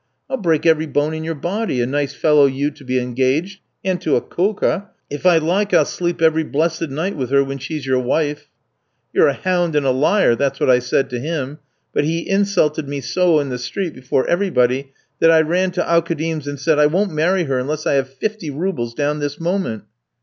"'I'll break every bone in your body, a nice fellow you to be engaged, and to Akoulka; if I like I'll sleep every blessed night with her when she's your wife.' "'You're a hound, and a liar,' that's what I said to him. But he insulted me so in the street, before everybody, that I ran to Aukoudim's and said, 'I won't marry her unless I have fifty roubles down this moment.'"